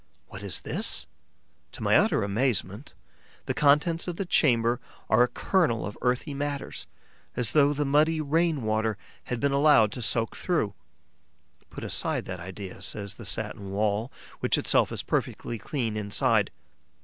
What is this? To my utter astonishment, the contents of the chamber are a kernel of earthy matters, as though the muddy rain water had been allowed to soak through. Put aside that idea, says the satin wall, which itself is perfectly clean inside.